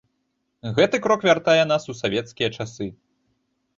Гэты крок вяртае нас у савецкія часы.